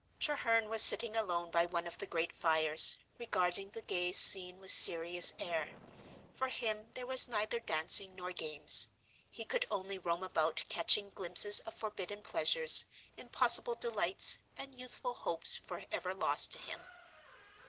Treherne was sitting alone by one of the great fires, regarding the gay scene with serious air. For him there was neither dancing nor games; he could only roam about catching glimpses of forbidden pleasures, impossible delights, and youthful hopes forever lost to him.